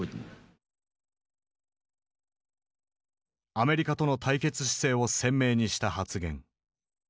アメリカとの対決姿勢を鮮明にした発言。